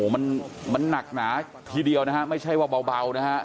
มันมันหนักหนาทีเดียวนะฮะไม่ใช่ว่าเบานะฮะ